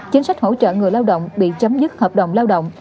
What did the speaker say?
chính sách hỗ trợ người lao động bị chấm dứt hợp đồng lao động